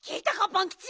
パンキチ。